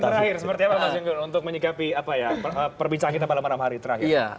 terakhir seperti apa mas gunggun untuk menyikapi perbicaraan kita malam malam hari terakhir